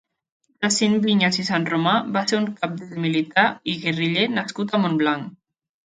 Jacint Viñas i Sanromà va ser un cabdill militar i guerriller nascut a Montblanc.